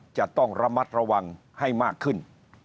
จะต้องระมัดระวังให้มากขึ้น